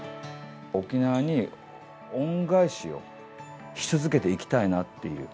沖縄に恩返しをし続けていきたいなっていう。